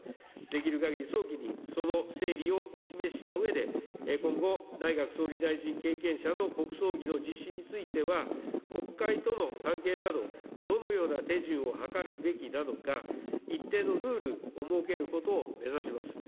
できるかぎり早期に、その整理をお示ししたうえで、今後、内閣総理大臣経験者の国葬儀の実施については、国会との関係など、どのような手順をはかるべきなのか、一定のルールを設けることを目指します。